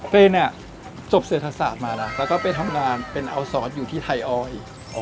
ตัวเองจบเศรษฐศาสตร์มานะแล้วก็ไปทำงานเป็นอัลซอสอยู่ที่ไทยออย